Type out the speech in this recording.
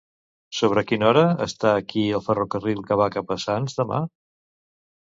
Sobre quina hora està aquí el ferrocarril que va cap a Sants demà?